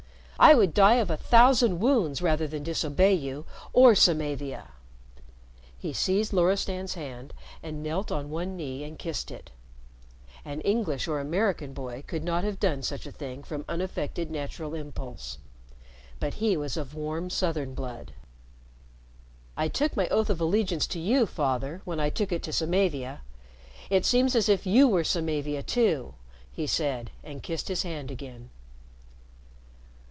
I would die of a thousand wounds rather than disobey you or Samavia!" He seized Loristan's hand, and knelt on one knee and kissed it. An English or American boy could not have done such a thing from unaffected natural impulse. But he was of warm Southern blood. "I took my oath of allegiance to you, Father, when I took it to Samavia. It seems as if you were Samavia, too," he said, and kissed his hand again.